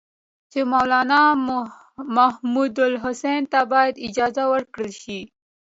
چې مولنا محمودالحسن ته باید اجازه ورکړل شي.